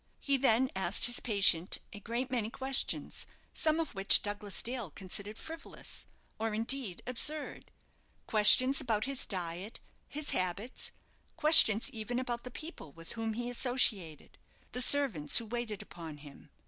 He then asked his patient a great many questions, some of which Douglas Dale considered frivolous, or, indeed, absurd; questions about his diet, his habits: questions even about the people with whom he associated, the servants who waited upon him.